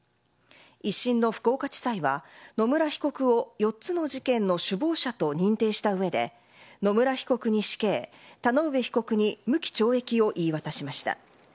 一審の福岡地裁は野村被告を４つの事件の首謀者と認定した上で野村被告に死刑田ノ上被告に無期懲役を言い渡しました。